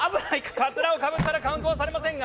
カツラをかぶったらカウントはされませんが。